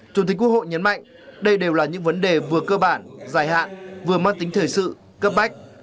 chủ tịch quốc hội nhấn mạnh đây đều là những vấn đề vừa cơ bản dài hạn vừa mất tính thời sự cấp bách